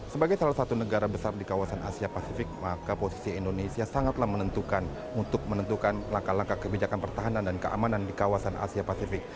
sebagai salah satu negara besar di kawasan asia pasifik maka posisi indonesia sangatlah menentukan untuk menentukan langkah langkah kebijakan pertahanan dan keamanan di kawasan asia pasifik